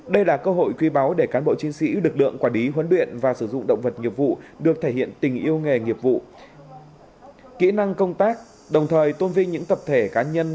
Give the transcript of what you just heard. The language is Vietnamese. đây là cơ hội quy báo để cán bộ chiến sĩ được lượng quả đí huấn luyện và sử dụng động vật nhiệm vụ được thể hiện tình yêu nghề nghiệp vụ kỹ năng công tác đồng thời tôn viên những tập thể cán nhân có tài năng